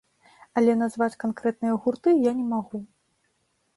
Але назваць канкрэтныя гурты я не магу.